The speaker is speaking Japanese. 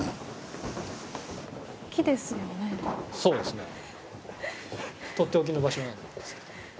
そうですね。